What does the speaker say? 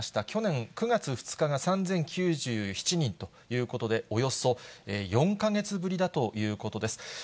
去年９月２日が３０９７人ということで、およそ４か月ぶりだということです。